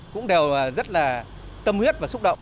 cũng đều rất là tâm huyết và xúc động